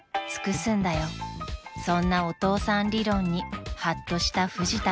［そんなお父さん理論にハッとしたフジタは］